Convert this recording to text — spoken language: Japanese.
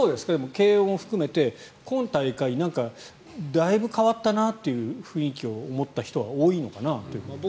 慶応も含めて、今大会だいぶ変わったなという雰囲気を持った人は多いのかなと思いますが。